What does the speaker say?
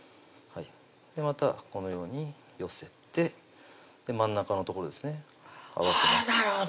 またこのように寄せて真ん中の所ですね合わせますあっ